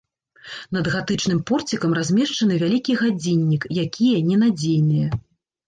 Над гатычным порцікам размешчаны вялікі гадзіннік, якія ненадзейныя.